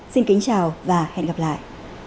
xin chào và hẹn gặp lại